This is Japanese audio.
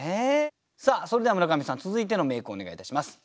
それでは村上さん続いての名句をお願いいたします。